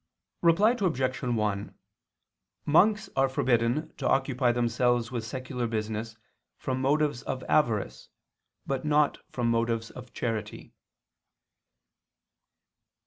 Reply Obj. 1: Monks are forbidden to occupy themselves with secular business from motives of avarice, but not from motives of charity.